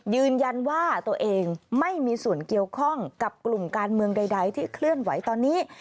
ยืนยันว่าตัวเองไม่มีส่วนเกี่ยวข้องกับกลุ่มการเมืองใดที่เคลื่อนไหวตอนนี้